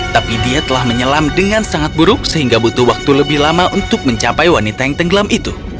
tapi dia telah menyelam dengan sangat buruk sehingga butuh waktu lebih lama untuk mencapai wanita yang tenggelam itu